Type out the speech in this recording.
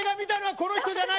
この人じゃない。